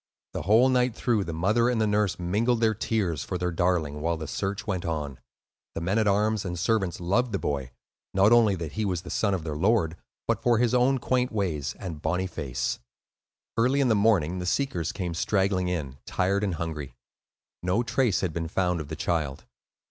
The whole night through, the mother and the nurse mingled their tears for their darling, while the search went on. The men at arms and servants loved the boy, not only that he was the son of their lord but for his own quaint ways and bonny face. Early in the morning the seekers came straggling in, tired and hungry; no trace had been found of the child.